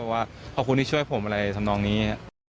ว่าขอบคุณที่ช่วยผมอะไรทำนองนี้